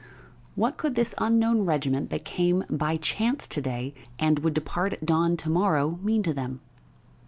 What could this unknown regiment that came by chance to day and would depart at dawn to morrow mean to them?